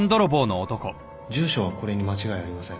住所はこれに間違いありません。